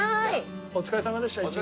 お疲れさまでした１日。